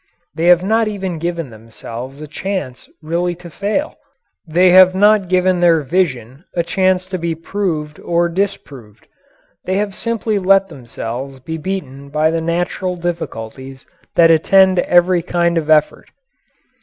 They have not even given themselves a chance really to fail; they have not given their vision a chance to be proved or disproved. They have simply let themselves be beaten by the natural difficulties that attend every kind of effort.